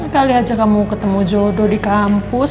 kali aja kamu ketemu jodoh di kampus